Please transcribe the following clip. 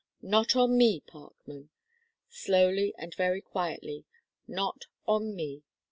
"Not on me, Parkman ," slowly and very quietly "not on me.